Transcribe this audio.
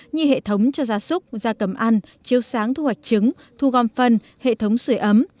như hệ thống cho gia súc gia cầm ăn chiếu sáng thu hoạch trứng thu gom phân hệ thống sửa ấm